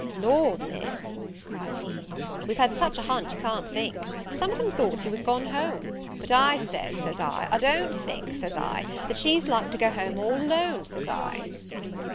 "Lord, Miss," cried he, "we've had such a hunt you can't think! some of them thought you was gone home: but I says, says I, I don't think, says I, that she's like to go home all alone, says I."